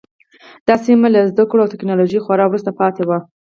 دا سیمه له زده کړو او ټکنالوژۍ خورا وروسته پاتې وه.